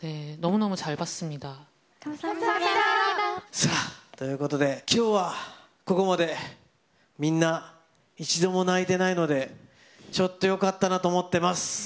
さあ、ということで、きょうはここまでみんな、一度も泣いてないので、ちょっとよかったなと思ってます。